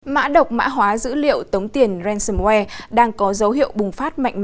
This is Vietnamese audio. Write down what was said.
mã độc mã hóa dữ liệu tống tiền ransomware đang có dấu hiệu bùng phát mạnh mẽ trong năm hai nghìn một mươi bảy